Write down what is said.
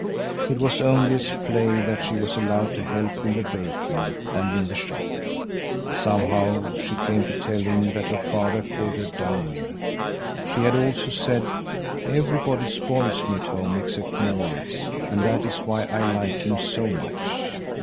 It was only as play that she was allowed to help in the baking and in the shop. Somehow she came to tell him that her father called her Downie. She had also said: "Everybody spoils me at home except Maurits, and that is why I like him so much.